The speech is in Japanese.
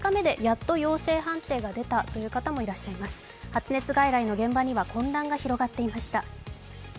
発熱外来の現場には混乱が広がっていました。